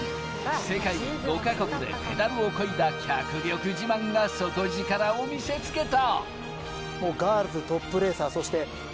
世界５か国でペダルをこいだ脚力自慢が底力を見せつけた。